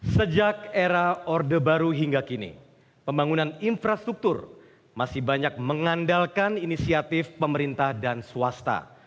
sejak era orde baru hingga kini pembangunan infrastruktur masih banyak mengandalkan inisiatif pemerintah dan swasta